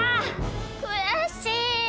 くやしい！